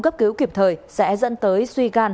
cấp cứu kịp thời sẽ dẫn tới suy gan